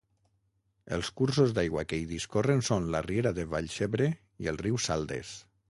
Els cursos d'aigua que hi discorren són la riera de Vallcebre i el riu Saldes.